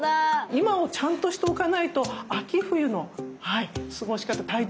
今をちゃんとしておかないと秋冬の過ごし方体調にも影響しますので。